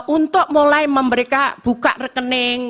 untuk mulai memberikan buka rekening